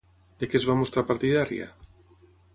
De què es va mostrar partidària?